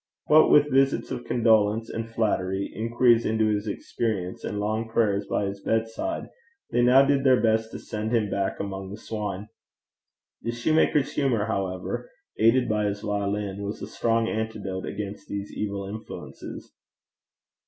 What with visits of condolence and flattery, inquiries into his experience, and long prayers by his bedside, they now did their best to send him back among the swine. The soutar's humour, however, aided by his violin, was a strong antidote against these evil influences.